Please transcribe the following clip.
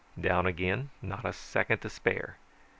Down again, not a second to spare!